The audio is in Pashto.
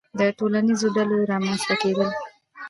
• د ټولنیزو ډلو رامنځته کېدل.